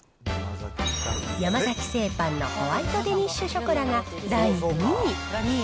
山崎製パンのホワイトデニッシュショコラが第２位。